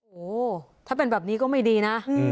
โอ้โหถ้าเป็นแบบนี้ก็ไม่ดีนะ